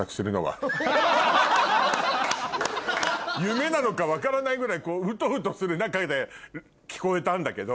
夢なのか分からないぐらいウトウトする中で聞こえたんだけど。